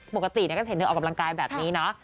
ปกติก็เห็นเธอออกกำลังกายแบบนี้เนาะ